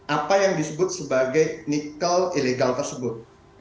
apa yang disebut sebagai nikel ilegal tersebut